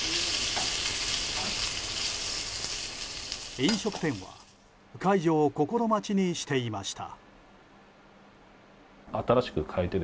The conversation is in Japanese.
飲食店は解除を心待ちにしていました。